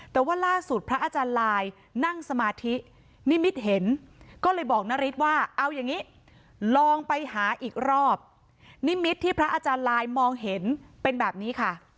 แต่ว่าล่าสุดพระอาจารย์ลายนั่งสมาธินิมิตเห็นก็เลยบอกนาริสว่าเอาอย่างนี้ลองไปหาอีกรอบนิมิตรที่พระอาจารย์ลายมองเห็นเป็นแบบนี้ค่ะ